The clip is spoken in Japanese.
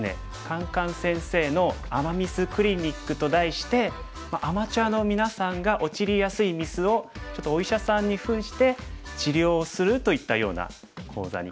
「カンカン先生の“アマ・ミス”クリニック」と題してアマチュアのみなさんが陥りやすいミスをちょっとお医者さんにふんして治療するといったような講座になります。